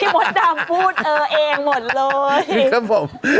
พี่มศดามพูดเน้วเองหมดเลยมั้ยครับผม